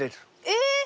えっ！